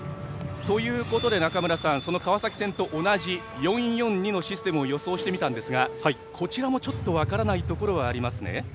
ということで中村さんその川崎戦と同じ４−４−２のシステムを予想してみたんですがこちらも分からないところはありますね。